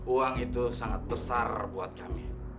uang itu sangat besar buat kami